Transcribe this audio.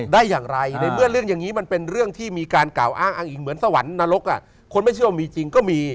ได้อย่างไรในเมื่อเรื่องอย่างนี้มันเป็นเรื่องที่มีการกล่าวอ้างอ้างอิงเหมือนสวรรค์นรกคนไม่เชื่อว่ามีจริงก็มี